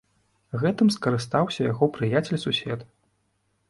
Гэтым скарыстаўся яго прыяцель-сусед.